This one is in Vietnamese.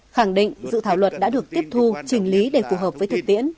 khẳng định dự thảo luật đã được tiếp thu chỉnh lý để phù hợp với thực tiễn